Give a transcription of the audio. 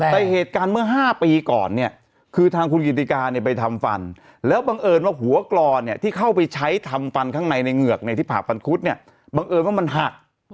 แต่เหตุการณ์เมื่อ๕ปีก่อนเนี่ยคือทางคุณกิติกาเนี่ยไปทำฟันแล้วบังเอิญว่าหัวกรอเนี่ยที่เข้าไปใช้ทำฟันข้างในในเหงือกในที่ผ่าฟันคุดเนี่ยบังเอิญว่ามันหัก